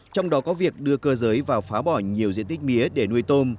trong đó có việc đưa cơ giới vào phá bỏ nhiều diện tích mía để nuôi tôm